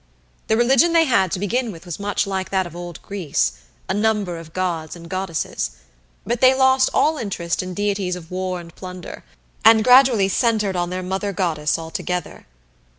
The religion they had to begin with was much like that of old Greece a number of gods and goddesses; but they lost all interest in deities of war and plunder, and gradually centered on their Mother Goddess altogether.